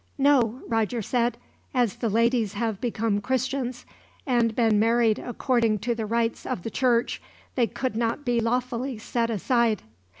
"No," Roger said; "as the ladies have become Christians, and been married according to the rites of the Church, they could not be lawfully set aside."